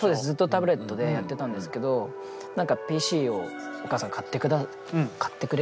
ずっとタブレットでやってたんですけど何かＰＣをお母さんが買ってくれて。